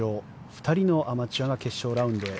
２人のアマチュアが決勝ラウンドへ。